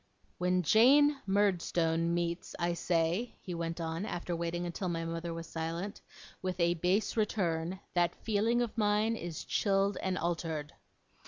'When Jane Murdstone meets, I say,' he went on, after waiting until my mother was silent, 'with a base return, that feeling of mine is chilled and altered.